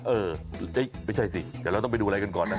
เออไม่ใช่สิเดี๋ยวเราต้องไปดูอะไรกันก่อนนะ